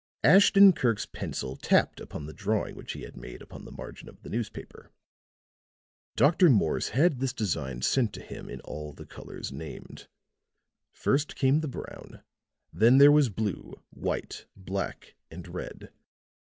Ashton Kirk's pencil tapped upon the drawing which he had made upon the margin of the newspaper. "Dr. Morse had this design sent to him in all the colors named. First came the brown, then there was blue, white, black and red.